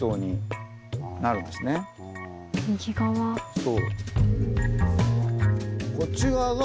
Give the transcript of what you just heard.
そう。